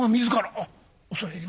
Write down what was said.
「あっ恐れ入ります。